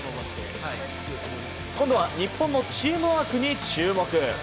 今度は日本のチームワークに注目。